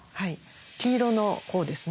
黄色の方ですね。